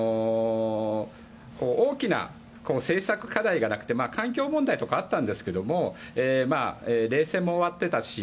大きな政策課題がなくて環境問題とかはあったんですが冷戦も終わってたし